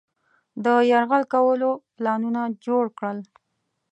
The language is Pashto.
د یرغل کولو پلانونه جوړ کړل.